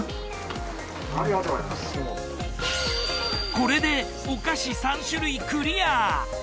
これでお菓子３種類クリア！